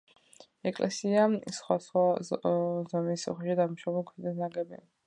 ეკლესია სხვადასხვა ზომის უხეშად დამუშავებული ქვითაა ნაგები.